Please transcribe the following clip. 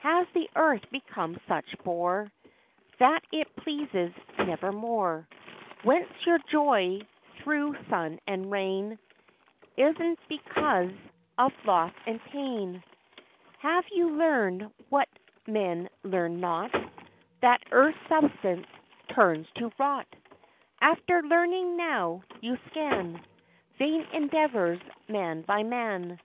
Has the earth become such bore That it pleases nevermore? Whence your joy through sun and rain? Is 't because of loss of pain? Have you learned what men learn not That earth's substance turns to rot? After learning now you scan Vain endeavors man by man?